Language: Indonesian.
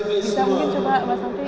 masyarakat selalu dijejali